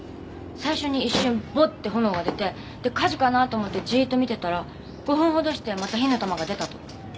最初に一瞬ボッて炎が出て火事かなと思ってじっと見てたら５分ほどしてまた火の玉が出たと。